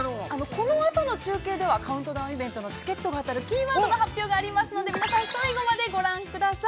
このあとの中継では、カウントダウンイベントのチケットが当たるキーワードの発表がありますので皆さん最後までご覧ください。